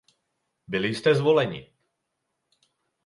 Byli jste zvoleni.